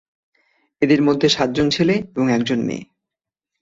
এদের মধ্যে সাতজন ছেলে এবং একজন মেয়ে।